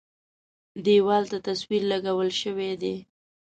دېوال ته تصویر لګول شوی دی.